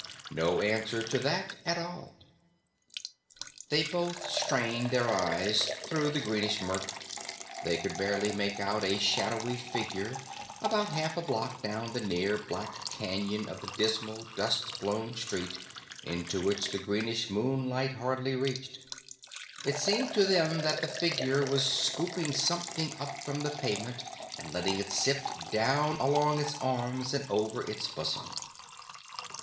No answer to that at all. They both strained their eyes through the greenish murk. They could barely make out a shadowy figure about half a block down the near black canyon of the dismal, dust blown street, into which the greenish moonlight hardly reached. It seemed to them that the figure was scooping something up from the pavement and letting it sift down along its arms and over its bosom.